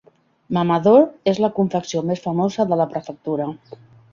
Mamador és la confecció més famosa de la prefectura.